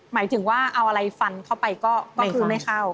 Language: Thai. หมายถึงว่าเอาอะไรฟันเข้าไปก็คือไม่เข้า